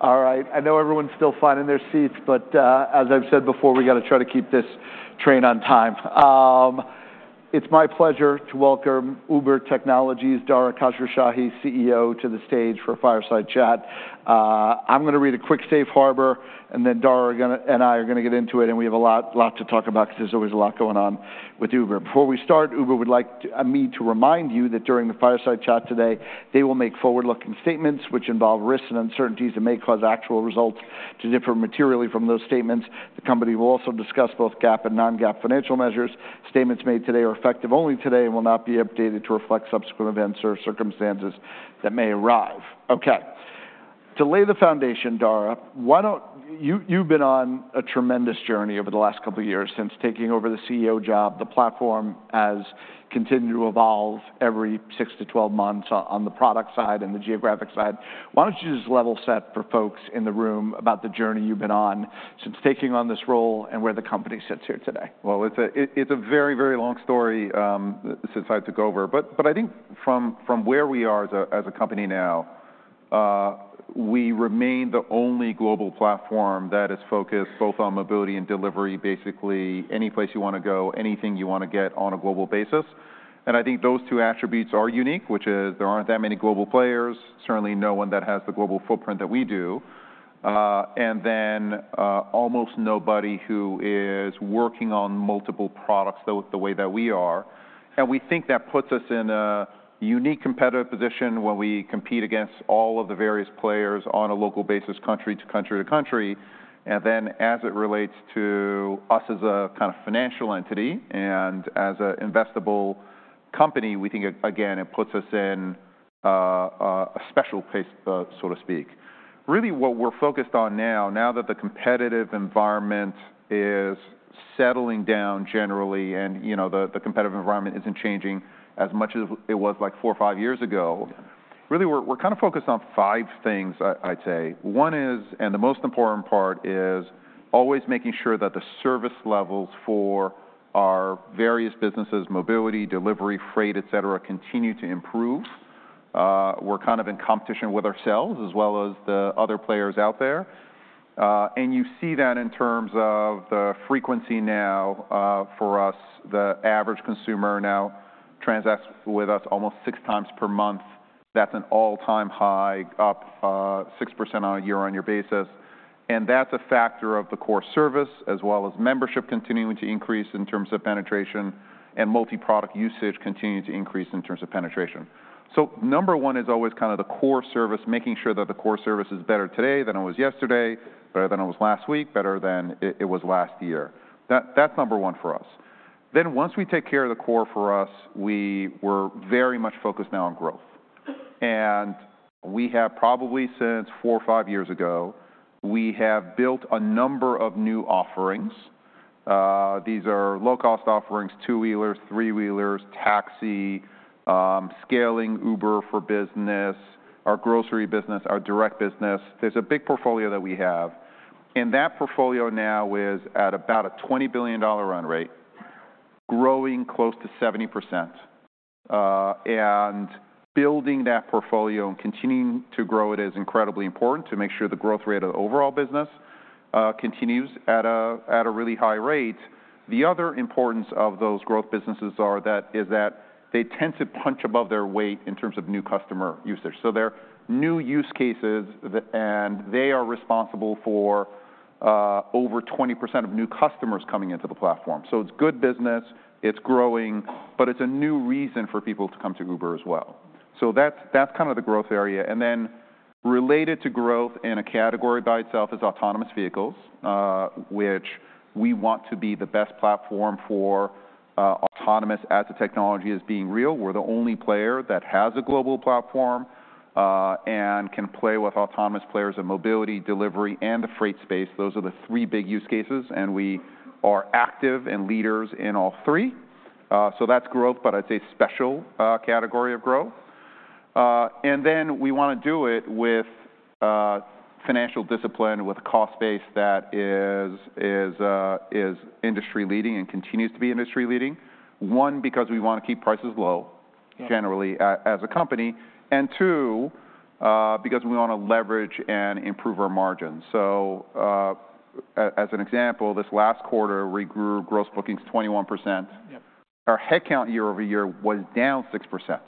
All right, I know everyone's still finding their seats, but as I've said before, we got to try to keep this train on time. It's my pleasure to welcome Uber Technologies' Dara Khosrowshahi, CEO, to the stage for a fireside chat. I'm gonna read a quick safe harbor, and then Dara and I are gonna get into it, and we have a lot, lot to talk about 'cause there's always a lot going on with Uber. Before we start, Uber would like me to remind you that during the fireside chat today, they will make forward-looking statements which involve risks and uncertainties that may cause actual results to differ materially from those statements. The company will also discuss both GAAP and non-GAAP financial measures. Statements made today are effective only today and will not be updated to reflect subsequent events or circumstances that may arise. Okay. To lay the foundation, Dara, why don't, you've been on a tremendous journey over the last couple of years since taking over the CEO job. The platform has continued to evolve every six to 12 months on the product side and the geographic side. Why don't you just level set for folks in the room about the journey you've been on since taking on this role and where the company sits here today? It's a very, very long story since I took over. But I think from where we are as a company now, we remain the only global platform that is focused both on mobility and delivery, basically any place you want to go, anything you want to get on a global basis. I think those two attributes are unique, which is there aren't that many global players, certainly no one that has the global footprint that we do. And then almost nobody who is working on multiple products the way that we are. We think that puts us in a unique competitive position when we compete against all of the various players on a local basis, country to country to country. And then, as it relates to us as a kind of financial entity and as an investable company, we think, again, it puts us in a special place, so to speak. Really what we're focused on now that the competitive environment is settling down generally and, you know, the competitive environment isn't changing as much as it was like four or five years ago- Yeah... really, we're kind of focused on five things I'd say. One is, and the most important part is, always making sure that the service levels for our various businesses, mobility, delivery, freight, et cetera, continue to improve. We're kind of in competition with ourselves as well as the other players out there. And you see that in terms of the frequency now, for us. The average consumer now transacts with us almost six times per month. That's an all-time high, up 6% on a year-on-year basis. And that's a factor of the core service, as well as membership continuing to increase in terms of penetration, and multi-product usage continuing to increase in terms of penetration. Number one is always kind of the core service, making sure that the core service is better today than it was yesterday, better than it was last week, better than it was last year. That's number one for us. Then, once we take care of the core for us, we were very much focused now on growth. And we have probably, since four or five years ago, we have built a number of new offerings. These are low-cost offerings, two-wheelers, three-wheelers, taxi, scaling Uber for Business, our grocery business, our direct business. There's a big portfolio that we have, and that portfolio now is at about a $20 billion run rate, growing close to 70%. And building that portfolio and continuing to grow it is incredibly important to make sure the growth rate of the overall business continues at a really high rate. The other importance of those growth businesses are that, is that they tend to punch above their weight in terms of new customer usage. So they're new use cases, and they are responsible for over 20% of new customers coming into the platform. So it's good business, it's growing, but it's a new reason for people to come to Uber as well. So that's kind of the growth area. And then related to growth in a category by itself is autonomous vehicles, which we want to be the best platform for, autonomous as the technology is being real. We're the only player that has a global platform, and can play with autonomous players in mobility, delivery, and the freight space. Those are the three big use cases, and we are active and leaders in all three. So that's growth, but it's a special category of growth. And then we want to do it with financial discipline, with a cost base that is industry-leading and continues to be industry-leading. One, because we want to keep prices low- Yeah... generally, as a company, and two, because we want to leverage and improve our margins. So, as an example, this last quarter, we grew gross bookings 21%. Yep. Our headcount year over year was down 6%.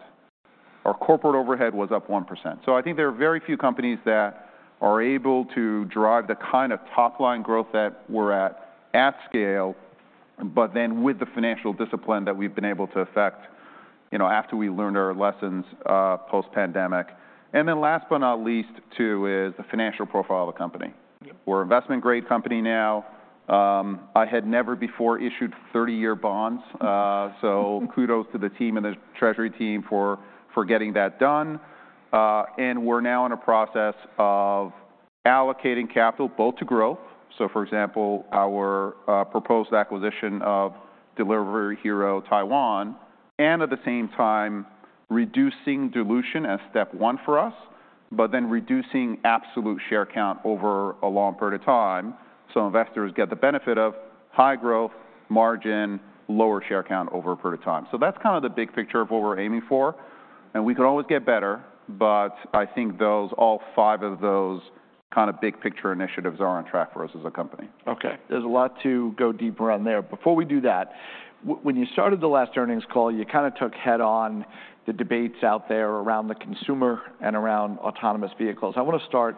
Our corporate overhead was up 1%. So I think there are very few companies that are able to drive the kind of top-line growth that we're at, at scale, but then with the financial discipline that we've been able to effect, you know, after we learned our lessons, post-pandemic. And then last but not least, too, is the financial profile of the company. Yep. We're an investment-grade company now. I had never before issued thirty-year bonds, so kudos to the team and the treasury team for getting that done, and we're now in a process of allocating capital both to growth, so for example, our proposed acquisition of Delivery Hero Taiwan, and at the same time reducing dilution as step one for us, but then reducing absolute share count over a long period of time, so investors get the benefit of high growth, margin, lower share count over a period of time, so that's kind of the big picture of what we're aiming for, and we can always get better, but I think those, all five of those kind of big picture initiatives are on track for us as a company. Okay, there's a lot to go deeper on there. Before we do that, when you started the last earnings call, you kinda took head-on the debates out there around the consumer and around autonomous vehicles. I wanna start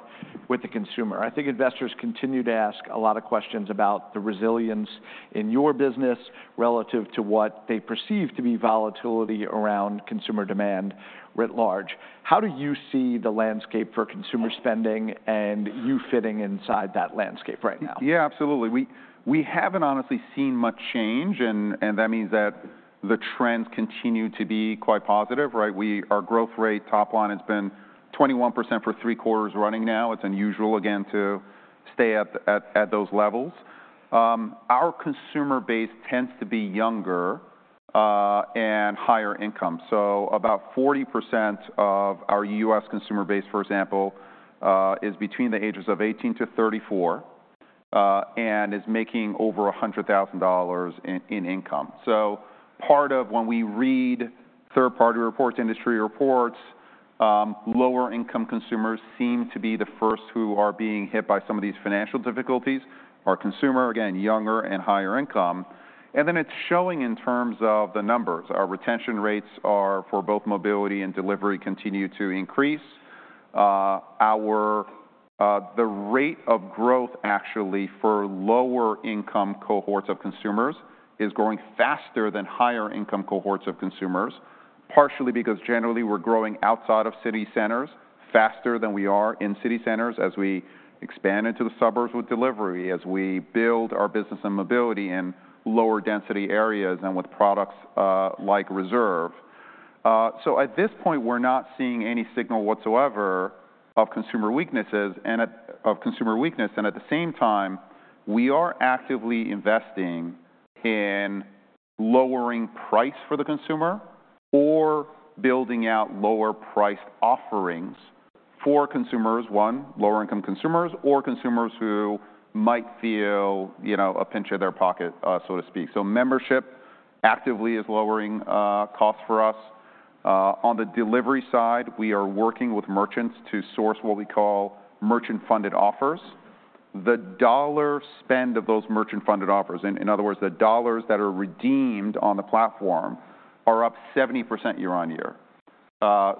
with the consumer. I think investors continue to ask a lot of questions about the resilience in your business relative to what they perceive to be volatility around consumer demand writ large. How do you see the landscape for consumer spending and you fitting inside that landscape right now? Yeah, absolutely. We haven't honestly seen much change, and that means that the trends continue to be quite positive, right? Our growth rate top line has been 21% for three quarters running now. It's unusual, again, to stay at those levels. Our consumer base tends to be younger and higher income. So about 40% of our U.S. consumer base, for example, is between the ages of 18 to 34 and is making over $100,000 in income. So part of when we read third-party reports, industry reports, lower-income consumers seem to be the first who are being hit by some of these financial difficulties. Our consumer, again, younger and higher income, and then it's showing in terms of the numbers. Our retention rates are, for both mobility and delivery, continue to increase. Our, the rate of growth, actually, for lower-income cohorts of consumers is growing faster than higher-income cohorts of consumers. Partially because generally we're growing outside of city centers faster than we are in city centers as we expand into the suburbs with delivery, as we build our business and mobility in lower-density areas and with products, like Reserve. So at this point, we're not seeing any signal whatsoever of consumer weakness, and at the same time, we are actively investing in lowering price for the consumer or building out lower-priced offerings for consumers. One, lower-income consumers or consumers who might feel, you know, a pinch of their pocket, so to speak. So membership actively is lowering costs for us. On the delivery side, we are working with merchants to source what we call merchant-funded offers. The dollar spend of those merchant-funded offers, in other words, the dollars that are redeemed on the platform, are up 70% year on year.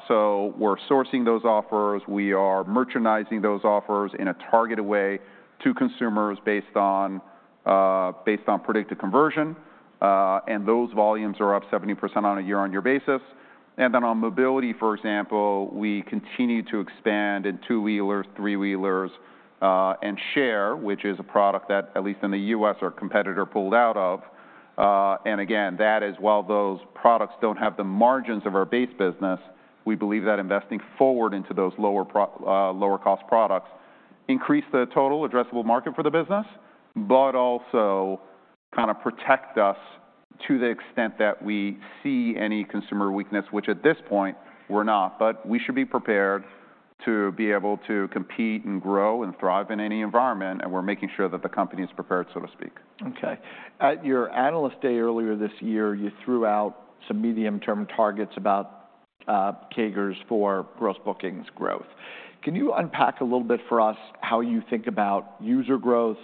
So we're sourcing those offers. We are merchandising those offers in a targeted way to consumers based on predicted conversion, and those volumes are up 70% on a year-on-year basis. And then on mobility, for example, we continue to expand in two-wheelers, three-wheelers, and Share, which is a product that, at least in the U.S., our competitor pulled out of. And again, that is, while those products don't have the margins of our base business, we believe that investing forward into those lower-cost products increase the total addressable market for the business, but also kinda protect us to the extent that we see any consumer weakness, which at this point, we're not. But we should be prepared to be able to compete and grow and thrive in any environment, and we're making sure that the company is prepared, so to speak. Okay. At your Analyst Day earlier this year, you threw out some medium-term targets about CAGRs for gross bookings growth. Can you unpack a little bit for us how you think about user growth,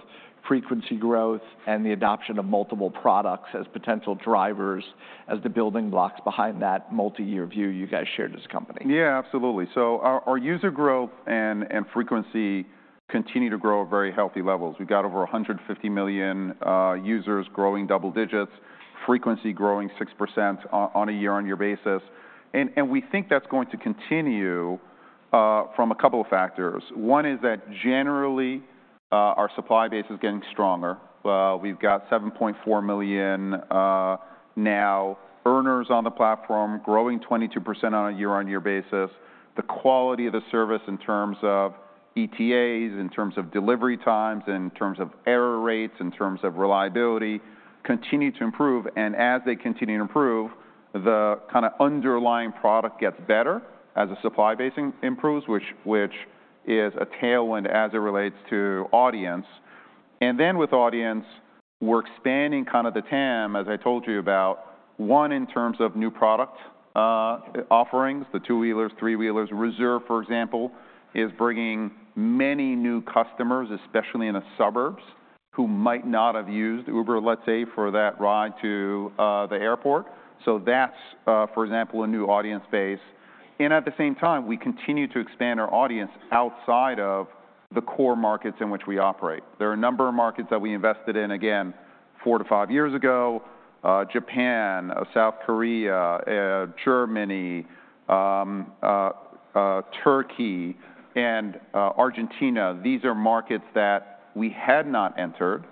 frequency growth, and the adoption of multiple products as potential drivers, as the building blocks behind that multi-year view you guys share as a company? Yeah, absolutely. So our user growth and frequency continue to grow at very healthy levels. We've got over 150 million users growing double digits, frequency growing 6% on a year-on-year basis, and we think that's going to continue from a couple of factors. One is that generally our supply base is getting stronger. We've got 7.4 million earners now on the platform, growing 22% on a year-on-year basis. The quality of the service in terms of ETAs, in terms of delivery times, in terms of error rates, in terms of reliability, continue to improve, and as they continue to improve, the kinda underlying product gets better as the supply base improves, which is a tailwind as it relates to audience. And then with audience, we're expanding kind of the TAM, as I told you about, one, in terms of new product offerings, the two-wheelers, three-wheelers. Reserve, for example, is bringing many new customers, especially in the suburbs, who might not have used Uber, let's say, for that ride to the airport. So that's, for example, a new audience base, and at the same time, we continue to expand our audience outside of the core markets in which we operate. There are a number of markets that we invested in, again, four to five years ago, Japan, South Korea, Germany, Turkey, and Argentina. These are markets that we had not entered,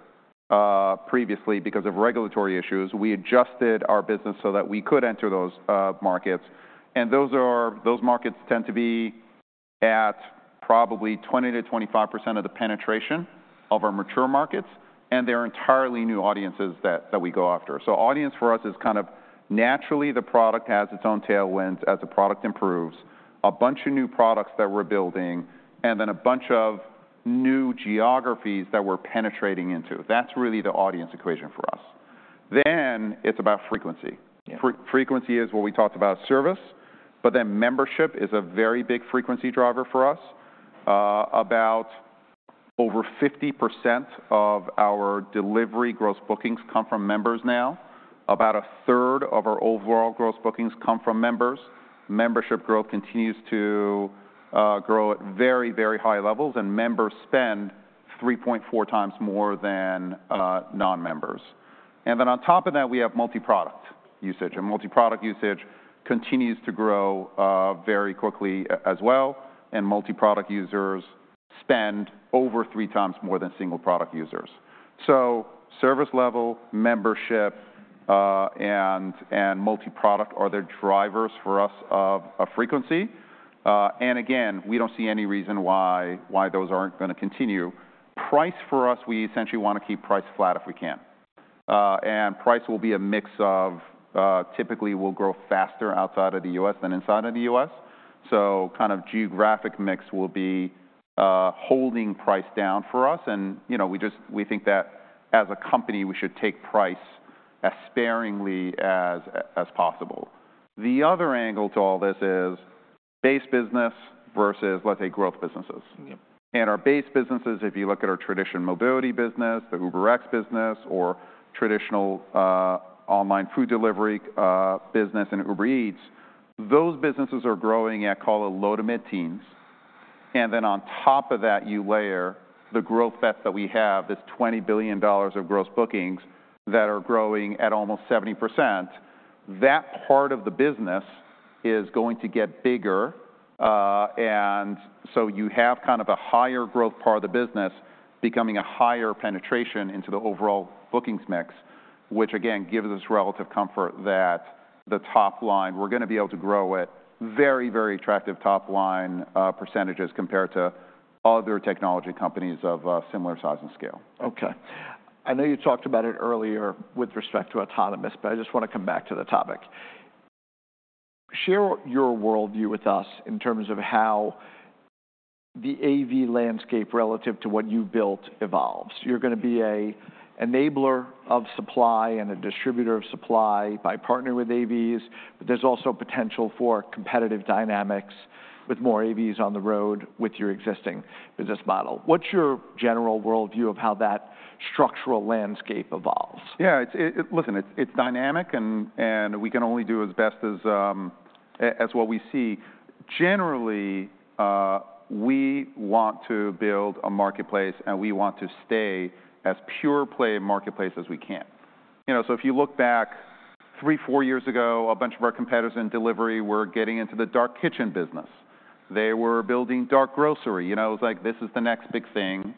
previously because of regulatory issues. We adjusted our business so that we could enter those markets, and those markets tend to be at probably 20%-25% of the penetration of our mature markets, and they're entirely new audiences that we go after. So audience for us is kind of naturally, the product has its own tailwinds as the product improves, a bunch of new products that we're building, and then a bunch of new geographies that we're penetrating into. That's really the audience equation for us. Then it's about frequency. Yeah. Frequency is what we talked about, service, but then membership is a very big frequency driver for us. About over 50% of our delivery gross bookings come from members now. About a third of our overall gross bookings come from members. Membership growth continues to grow at very, very high levels, and members spend three point four times more than non-members. And then on top of that, we have multi-product usage, and multi-product usage continues to grow very quickly as well, and multi-product users spend over three times more than single-product users. So service level, membership, and multi-product are the drivers for us of frequency. And again, we don't see any reason why those aren't gonna continue. Price for us, we essentially want to keep price flat if we can. And price will be a mix of, typically will grow faster outside of the US than inside of the US, so kind of geographic mix will be holding price down for us. And, you know, we think that as a company, we should take price as sparingly as possible. The other angle to all this is base business versus, let's say, growth businesses. Yep. And our base businesses, if you look at our traditional mobility business, the UberX business, or traditional, online food delivery, business in Uber Eats, those businesses are growing at call it low to mid-teens. And then on top of that, you layer the growth bets that we have, this $20 billion of gross bookings that are growing at almost 70%. That part of the business is going to get bigger, and so you have kind of a higher growth part of the business becoming a higher penetration into the overall bookings mix, which again, gives us relative comfort that the top line, we're gonna be able to grow at very, very attractive top-line, percentages compared to other technology companies of, similar size and scale. Okay, I know you talked about it earlier with respect to autonomous, but I just want to come back to the topic. Share your world view with us in terms of how the AV landscape relative to what you've built evolves. You're gonna be an enabler of supply and a distributor of supply by partnering with AVs, but there's also potential for competitive dynamics with more AVs on the road with your existing business model. What's your general worldview of how that structural landscape evolves? Yeah. Listen, it's dynamic, and we can only do as best as what we see. Generally, we want to build a marketplace, and we want to stay as pure play marketplace as we can. You know, so if you look back three, four years ago, a bunch of our competitors in delivery were getting into the dark kitchen business. They were building dark grocery. You know, it was like, this is the next big thing,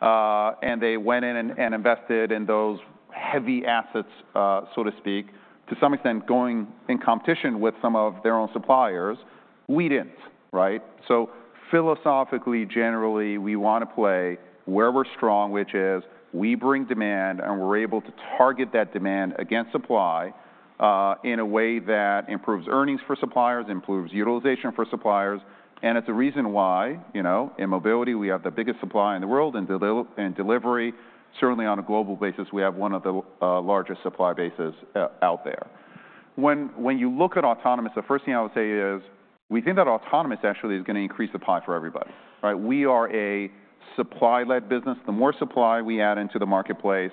and they went in and invested in those heavy assets, so to speak, to some extent, going in competition with some of their own suppliers. We didn't, right? So philosophically, generally, we want to play where we're strong, which is we bring demand, and we're able to target that demand against supply, in a way that improves earnings for suppliers, improves utilization for suppliers, and it's a reason why, you know, in mobility, we have the biggest supply in the world. In delivery, certainly on a global basis, we have one of the largest supply bases out there. When you look at autonomous, the first thing I would say is we think that autonomous actually is gonna increase the pie for everybody, right? We are a supply-led business. The more supply we add into the marketplace,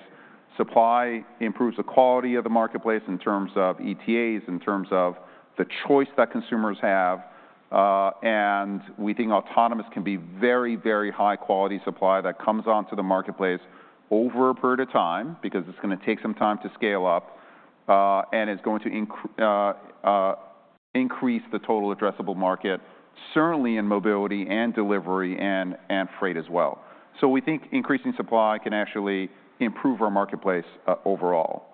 supply improves the quality of the marketplace in terms of ETAs, in terms of the choice that consumers have, and we think autonomous can be very, very high-quality supply that comes onto the marketplace over a period of time, because it's gonna take some time to scale up, and it's going to increase the total addressable market, certainly in mobility and delivery and freight as well. So we think increasing supply can actually improve our marketplace, overall.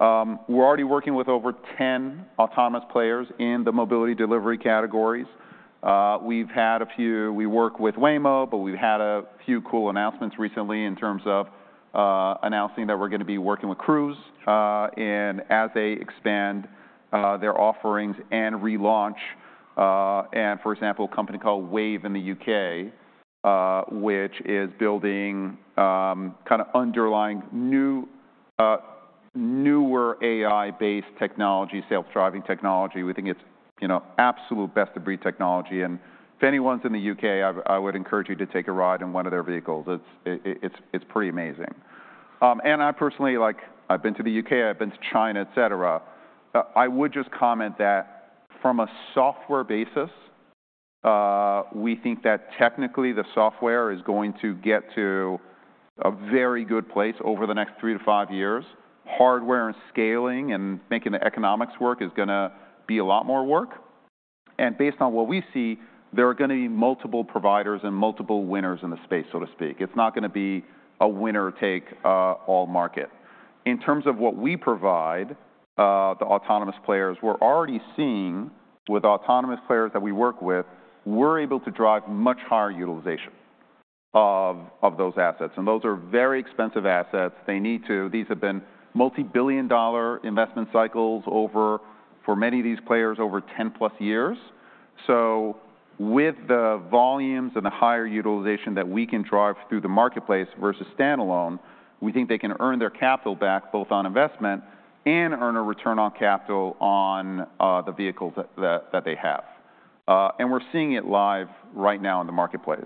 We're already working with over 10 autonomous players in the mobility delivery categories. We work with Waymo, but we've had a few cool announcements recently in terms of announcing that we're gonna be working with Cruise, and as they expand their offerings and relaunch. And for example, a company called Wayve in the U.K., which is building kind of underlying new, newer AI-based technology, self-driving technology. We think it's, you know, absolute best-of-breed technology, and if anyone's in the U.K., I would encourage you to take a ride in one of their vehicles. It's pretty amazing. And I personally, like, I've been to the U.K., I've been to China, et cetera. I would just comment that from a software basis, we think that technically the software is going to get to a very good place over the next three to five years. Hardware and scaling and making the economics work is gonna be a lot more work, and based on what we see, there are gonna be multiple providers and multiple winners in the space, so to speak. It's not gonna be a winner-take-all market. In terms of what we provide the autonomous players, we're already seeing with autonomous players that we work with, we're able to drive much higher utilization of those assets, and those are very expensive assets. They need to... These have been multi-billion-dollar investment cycles for many of these players, over ten-plus years.... So with the volumes and the higher utilization that we can drive through the marketplace versus standalone, we think they can earn their capital back, both on investment and earn a return on capital on the vehicles that they have, and we're seeing it live right now in the marketplace.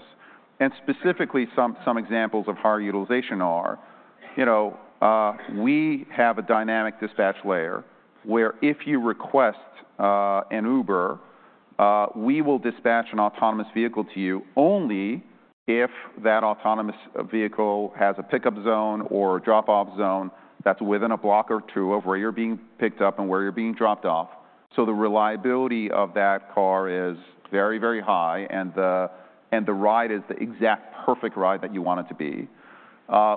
Specifically, some examples of higher utilization are, you know, we have a dynamic dispatch layer where if you request an Uber, we will dispatch an autonomous vehicle to you only if that autonomous vehicle has a pickup zone or a drop-off zone that's within a block or two of where you're being picked up and where you're being dropped off. So the reliability of that car is very, very high, and the ride is the exact perfect ride that you want it to be.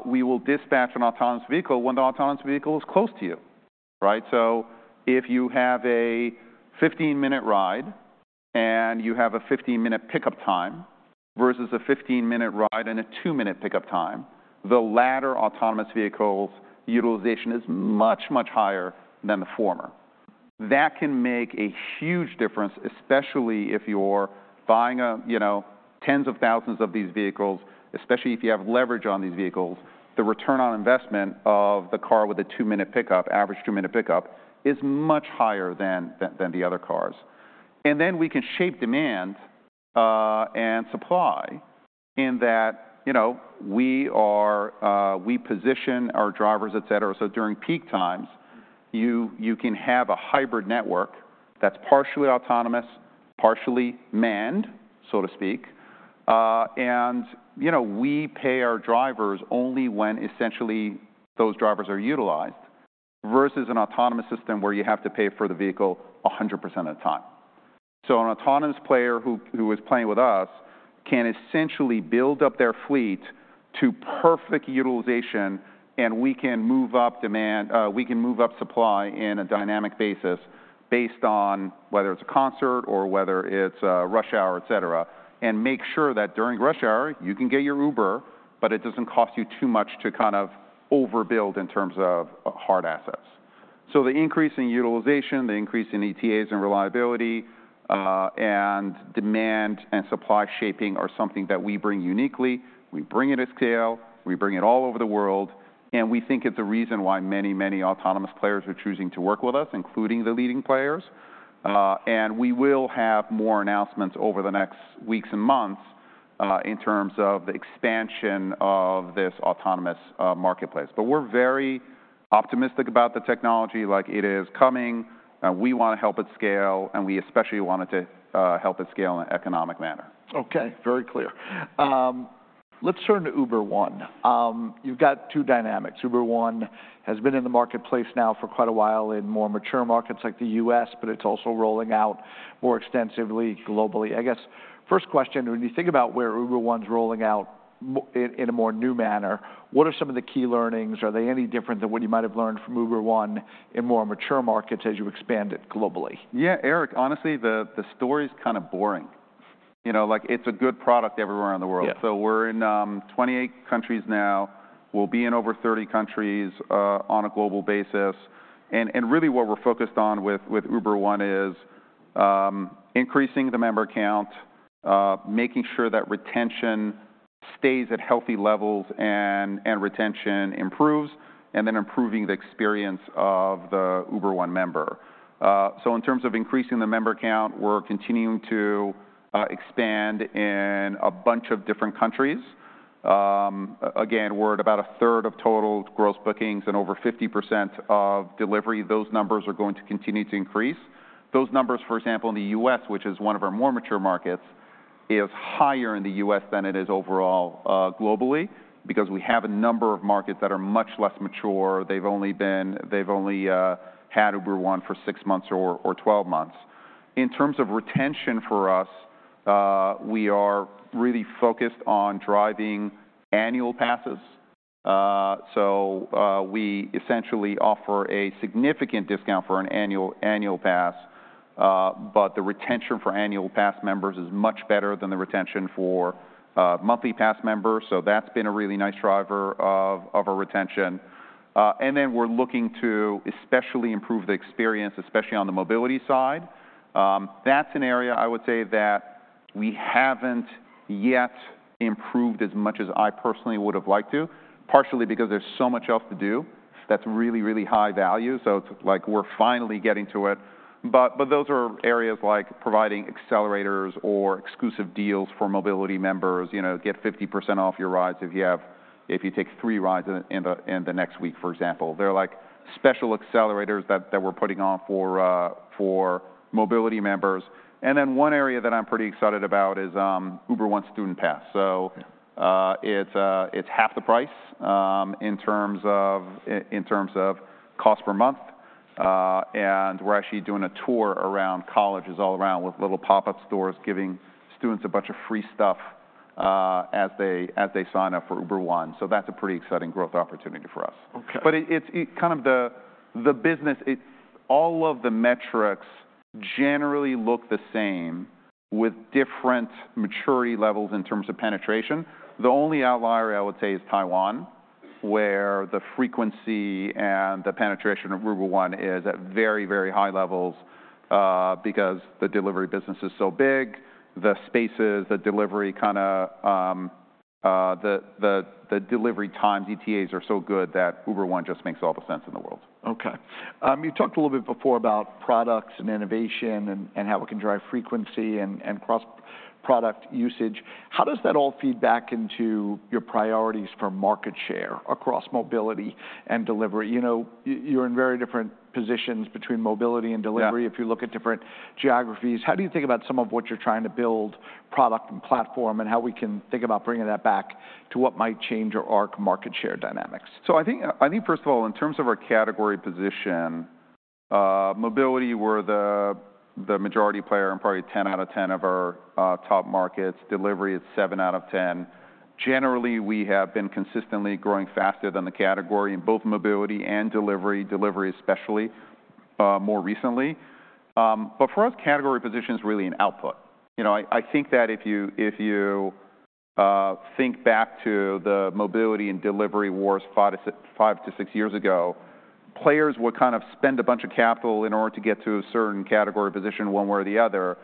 We will dispatch an autonomous vehicle when the autonomous vehicle is close to you, right? So if you have a fifteen-minute ride and you have a fifteen-minute pickup time versus a fifteen-minute ride and a two-minute pickup time, the latter autonomous vehicle's utilization is much, much higher than the former. That can make a huge difference, especially if you're buying a, you know, tens of thousands of these vehicles, especially if you have leverage on these vehicles. The return on investment of the car with a two-minute pickup, average two-minute pickup, is much higher than the other cars. And then we can shape demand and supply in that, you know, we position our drivers, et cetera. So during peak times, you can have a hybrid network that's partially autonomous, partially manned, so to speak. And, you know, we pay our drivers only when essentially those drivers are utilized, versus an autonomous system, where you have to pay for the vehicle 100% of the time. So an autonomous player who is playing with us can essentially build up their fleet to perfect utilization, and we can move up demand. We can move up supply on a dynamic basis based on whether it's a concert or whether it's rush hour, etc. And make sure that during rush hour, you can get your Uber, but it doesn't cost you too much to kind of overbuild in terms of hard assets. So the increase in utilization, the increase in ETAs and reliability, and demand and supply shaping are something that we bring uniquely. We bring it at scale, we bring it all over the world, and we think it's a reason why many, many autonomous players are choosing to work with us, including the leading players. And we will have more announcements over the next weeks and months, in terms of the expansion of this autonomous marketplace. But we're very optimistic about the technology, like it is coming, and we want to help it scale, and we especially wanted to help it scale in an economic manner. Okay, very clear. Let's turn to Uber One. You've got two dynamics. Uber One has been in the marketplace now for quite a while in more mature markets like the US, but it's also rolling out more extensively globally. I guess, first question, when you think about where Uber One's rolling out in a more new manner, what are some of the key learnings? Are they any different than what you might have learned from Uber One in more mature markets as you expand it globally? Yeah, Eric, honestly, the story is kind of boring. You know, like, it's a good product everywhere around the world. Yeah. We're in 28 countries now. We'll be in over 30 countries on a global basis. And really, what we're focused on with Uber One is increasing the member count, making sure that retention stays at healthy levels and retention improves, and then improving the experience of the Uber One member. So in terms of increasing the member count, we're continuing to expand in a bunch of different countries. Again, we're at about a third of total gross bookings and over 50% of delivery. Those numbers are going to continue to increase. Those numbers, for example, in the U.S., which is one of our more mature markets, is higher in the U.S. than it is overall globally, because we have a number of markets that are much less mature. They've only had Uber One for six months or 12 months. In terms of retention for us, we are really focused on driving annual passes. So we essentially offer a significant discount for an annual pass, but the retention for annual pass members is much better than the retention for monthly pass members. So that's been a really nice driver of our retention. And then we're looking to especially improve the experience, especially on the mobility side. That's an area I would say that we haven't yet improved as much as I personally would have liked to. Partially because there's so much else to do that's really, really high value, so it's like we're finally getting to it. But those are areas like providing accelerators or exclusive deals for mobility members. You know, get 50% off your rides if you have, if you take three rides in the next week, for example. They're like special accelerators that, that we're putting on for, for mobility members. And then one area that I'm pretty excited about is Uber One Student Pass. Yeah... it's half the price in terms of cost per month. And we're actually doing a tour around colleges all around with little pop-up stores, giving students a bunch of free stuff as they sign up for Uber One. So that's a pretty exciting growth opportunity for us. Okay. But it's kind of the business. All of the metrics generally look the same, with different maturity levels in terms of penetration. The only outlier, I would say, is Taiwan, where the frequency and the penetration of Uber One is at very, very high levels, because the delivery business is so big, the delivery times, ETAs are so good that Uber One just makes all the sense in the world. Okay. You talked a little bit before about products and innovation and how it can drive frequency and cross-product usage. How does that all feed back into your priorities for market share across mobility and delivery? You know, you're in very different positions between mobility and delivery. Yeah If you look at different geographies, how do you think about some of what you're trying to build, product and platform, and how we can think about bringing that back to what might change your core market share dynamics? So I think first of all, in terms of our category position, mobility, we're the majority player in probably ten out of ten of our top markets. Delivery, it's seven out of ten. Generally, we have been consistently growing faster than the category in both mobility and delivery, delivery especially, more recently. But for us, category position is really an output. You know, I think that if you think back to the mobility and delivery wars fought five to six years ago, players would kind of spend a bunch of capital in order to get to a certain category position, one way or the other.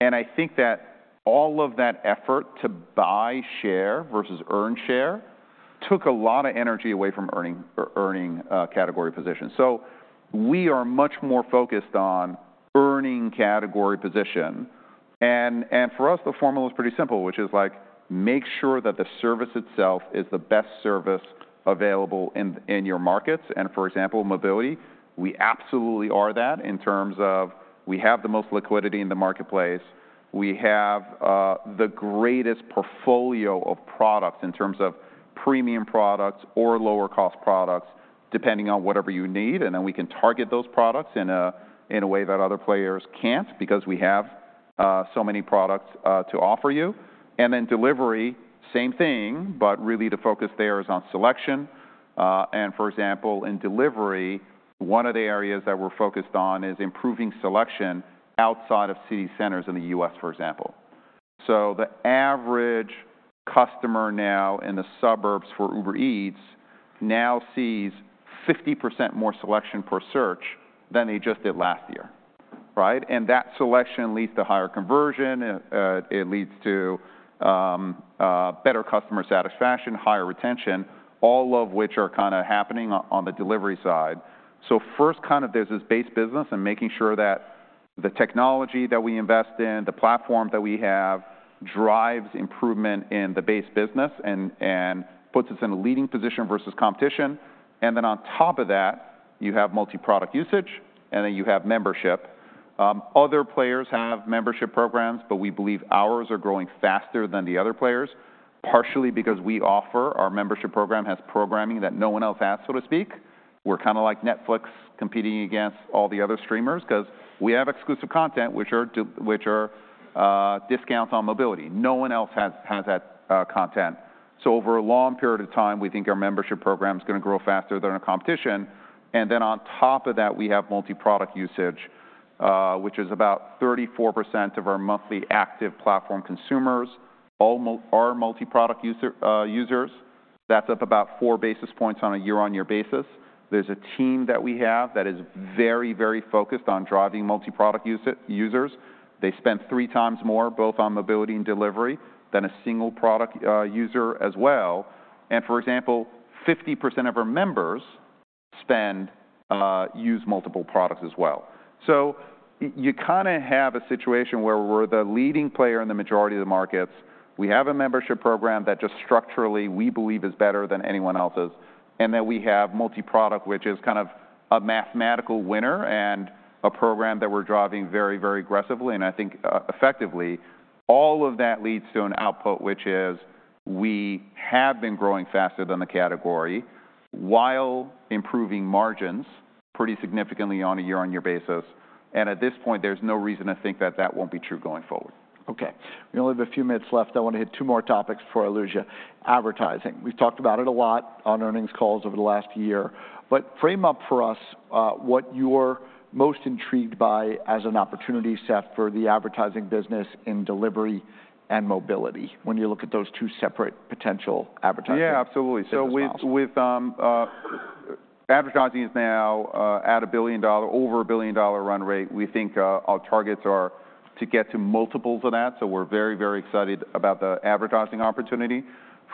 And I think that all of that effort to buy share versus earn share took a lot of energy away from earning a category position. So we are much more focused on earning category position, and for us, the formula is pretty simple, which is like, make sure that the service itself is the best service available in your markets, and for example, in mobility, we absolutely are that in terms of we have the most liquidity in the marketplace. We have the greatest portfolio of products in terms of premium products or lower-cost products, depending on whatever you need, and then we can target those products in a way that other players can't because we have so many products to offer you, and then in delivery, same thing, but really the focus there is on selection, and for example, in delivery, one of the areas that we're focused on is improving selection outside of city centers in the U.S., for example. So the average customer now in the suburbs for Uber Eats now sees 50% more selection per search than they just did last year, right? And that selection leads to higher conversion. It leads to better customer satisfaction, higher retention, all of which are kind of happening on the delivery side. So first, kind of there's this base business and making sure that the technology that we invest in, the platform that we have, drives improvement in the base business and puts us in a leading position versus competition. And then on top of that, you have multi-product usage, and then you have membership. Other players have membership programs, but we believe ours are growing faster than the other players, partially because our membership program has programming that no one else has, so to speak. We're kind of like Netflix competing against all the other streamers because we have exclusive content, which are discounts on mobility. No one else has that content. So over a long period of time, we think our membership program is gonna grow faster than our competition, and then on top of that, we have multi-product usage, which is about 34% of our monthly active platform consumers are multi-product users. That's up about 4 basis points on a year-on-year basis. There's a team that we have that is very, very focused on driving multi-product users. They spend 3 times more, both on mobility and delivery, than a single product user as well. And for example, 50% of our members spend use multiple products as well. So you kinda have a situation where we're the leading player in the majority of the markets. We have a membership program that just structurally, we believe is better than anyone else's, and that we have multi-product, which is kind of a mathematical winner and a program that we're driving very, very aggressively, and I think, effectively. All of that leads to an output, which is we have been growing faster than the category while improving margins pretty significantly on a year-on-year basis, and at this point, there's no reason to think that that won't be true going forward. Okay, we only have a few minutes left. I want to hit two more topics before I lose you. Advertising. We've talked about it a lot on earnings calls over the last year, but frame up for us, what you're most intrigued by as an opportunity set for the advertising business in delivery and mobility when you look at those two separate potential advertising- Yeah, absolutely -business models. So advertising is now at over a billion-dollar run rate. We think our targets are to get to multiples of that, so we're very, very excited about the advertising opportunity.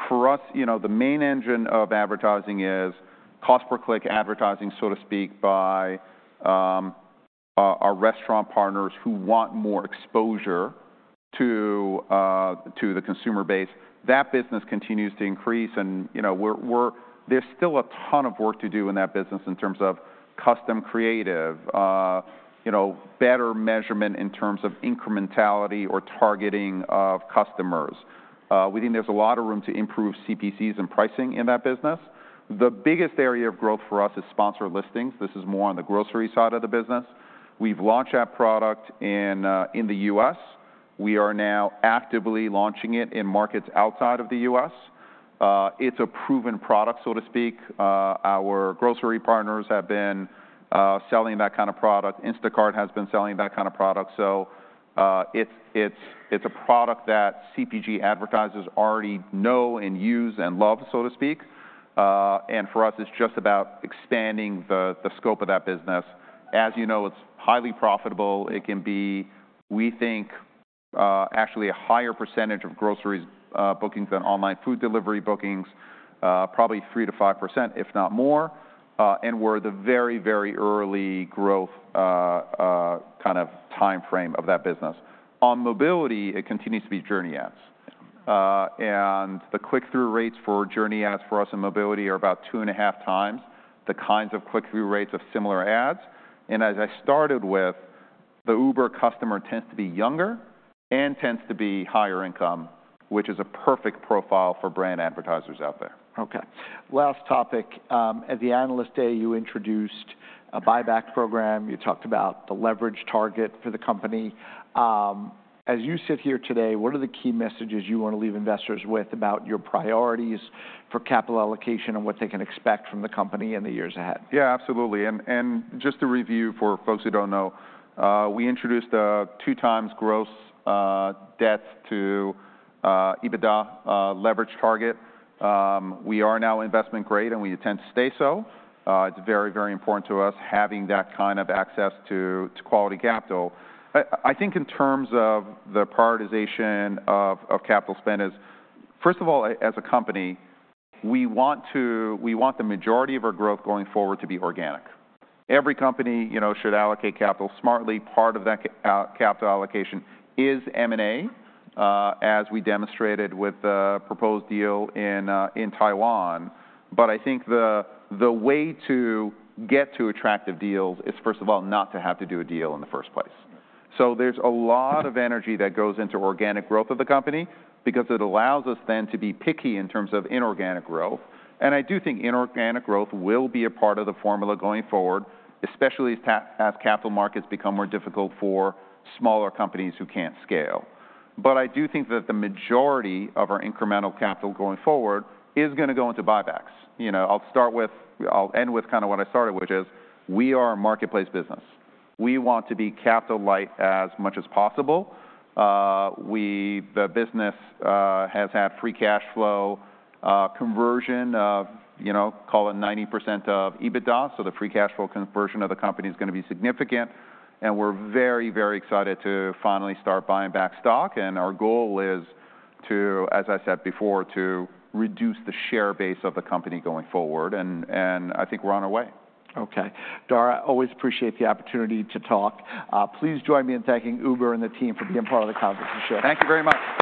For us, you know, the main engine of advertising is cost-per-click advertising, so to speak, by our restaurant partners who want more exposure to the consumer base. That business continues to increase, and, you know, there's still a ton of work to do in that business in terms of custom creative, you know, better measurement in terms of incrementality or targeting of customers. We think there's a lot of room to improve CPCs and pricing in that business. The biggest area of growth for us is Sponsored Listings. This is more on the grocery side of the business. We've launched that product in the U.S. We are now actively launching it in markets outside of the U.S. It's a proven product, so to speak. Our grocery partners have been selling that kind of product. Instacart has been selling that kind of product. So, it's a product that CPG advertisers already know and use and love, so to speak. And for us, it's just about expanding the scope of that business. As you know, it's highly profitable. It can be, we think, actually a higher percentage of groceries bookings than online food delivery bookings, probably 3%-5%, if not more. And we're the very early growth kind of time frame of that business. On Mobility, it continues to be Journey Ads. And the click-through rates for Journey Ads for us in Mobility are about two and a half times the kinds of click-through rates of similar ads. And as I started with, the Uber customer tends to be younger and tends to be higher income, which is a perfect profile for brand advertisers out there. Okay, last topic. At the Analyst Day, you introduced a buyback program. You talked about the leverage target for the company. As you sit here today, what are the key messages you want to leave investors with about your priorities for capital allocation and what they can expect from the company in the years ahead? Yeah, absolutely. And just to review, for folks who don't know, we introduced a two times gross debt to EBITDA leverage target. We are now investment grade, and we intend to stay so. It's very, very important to us having that kind of access to quality capital. I think in terms of the prioritization of capital spend is, first of all, as a company, we want to... We want the majority of our growth going forward to be organic. Every company, you know, should allocate capital smartly. Part of that capital allocation is M&A, as we demonstrated with the proposed deal in Taiwan. But I think the way to get to attractive deals is, first of all, not to have to do a deal in the first place. There's a lot of energy that goes into organic growth of the company because it allows us then to be picky in terms of inorganic growth. And I do think inorganic growth will be a part of the formula going forward, especially as capital markets become more difficult for smaller companies who can't scale. But I do think that the majority of our incremental capital going forward is gonna go into buybacks. You know, I'll start with, I'll end with kind of what I started, which is, we are a marketplace business. We want to be capital light as much as possible. We, the business, has had free cash flow conversion of, you know, call it 90% of EBITDA, so the free cash flow conversion of the company is gonna be significant, and we're very, very excited to finally start buying back stock. Our goal is to, as I said before, to reduce the share base of the company going forward, and I think we're on our way. Okay. Dara, always appreciate the opportunity to talk. Please join me in thanking Uber and the team for being part of the conference and show. Thank you very much.